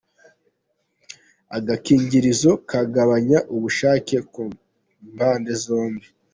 Agakingirizo kagabanya ubushake ku mpande zombi .